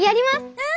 うん！